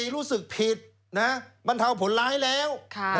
รู้สึกผิดบรรเทาผลร้ายแล้ว